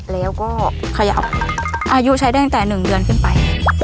แล้วก็เขย่าอายุใช้ได้ตั้งแต่๑เดือนขึ้นไป